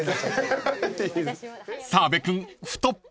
［澤部君太っ腹］